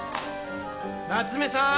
夏目さん！